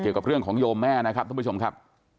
เกี่ยวกับเรื่องของโยมแม่นะครับท่านผู้ชมครับ